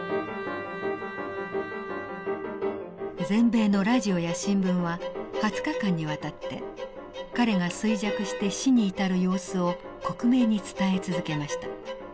全米のラジオや新聞は２０日間にわたって彼が衰弱して死に至る様子を克明に伝え続けました。